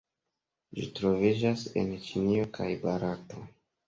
Ĝi troviĝas en Ĉinio kaj Barato.